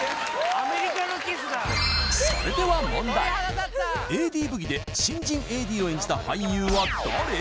アメリカのキスだそれでは問題「ＡＤブギ」で新人ＡＤを演じた俳優は誰？